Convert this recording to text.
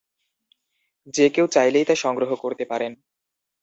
যে কেউ চাইলেই তা সংগ্রহ করতে পারেন।